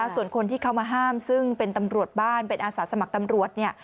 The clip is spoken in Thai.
ส่วนคนที่เข้ามาห้ามซึ่งเป็นตำรวจบ้านเป็นอาสาสมัครตำรวจ